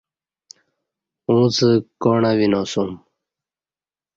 اُݩڅ کوݨہ وِناسوم